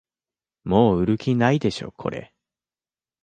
もう売る気ないでしょこれ